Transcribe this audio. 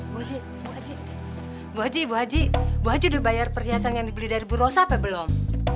bu haji bu haji bu haji bu haji udah bayar perhiasan yang dibeli dari bu rosa apa belum